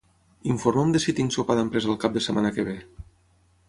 Informa'm de si tinc sopar d'empresa el cap de setmana que ve.